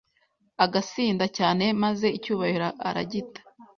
Agasinda cyane maze icyubahiro aragita